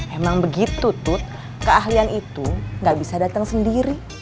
emang begitu tut keahlian itu gak bisa datang sendiri